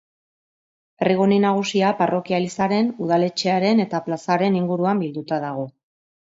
Herrigune nagusia parrokia-elizaren, udaletxearen eta plazaren inguruan bilduta dago.